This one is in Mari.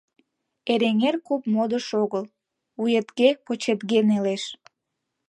Эреҥер куп модыш огыл; вуетге-почетге нелеш.